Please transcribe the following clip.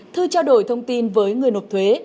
thư trao đổi thông tin với người nộp thuế